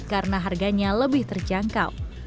karena harganya lebih terjangkau